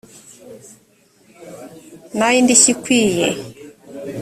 n ay indishyi ikwiye